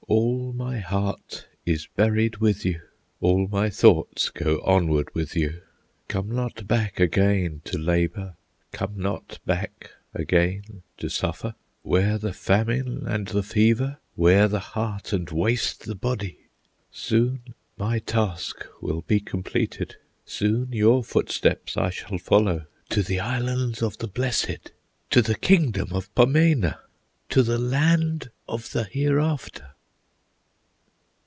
All my heart is buried with you, All my thoughts go onward with you! Come not back again to labor, Come not back again to suffer, Where the Famine and the Fever Wear the heart and waste the body. Soon my task will be completed, Soon your footsteps I shall follow To the Islands of the Blessed, To the Kingdom of Ponemah, To the Land of the Hereafter!"